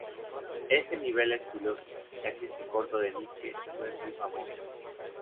Este nivel es curioso, ya que este corto de Mickey no es muy famoso.